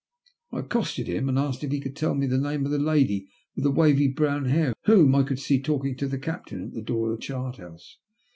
I accosted him, and asked if he could tell me the name of the lady with the wavy brown hair whom I could see talking to the captain at the door of the chart house.